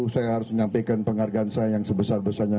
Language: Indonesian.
saya harus menyampaikan penghargaan saya yang sebesar besarnya